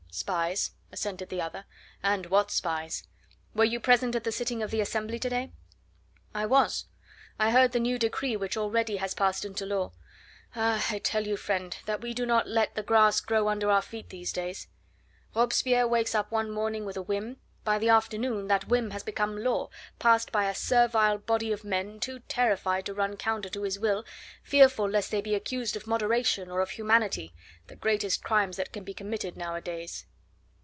"Spies," assented the other. "And what spies! Were you present at the sitting of the Assembly to day?" "I was. I heard the new decree which already has passed into law. Ah! I tell you, friend, that we do not let the grass grow under our feet these days. Robespierre wakes up one morning with a whim; by the afternoon that whim has become law, passed by a servile body of men too terrified to run counter to his will, fearful lest they be accused of moderation or of humanity the greatest crimes that can be committed nowadays."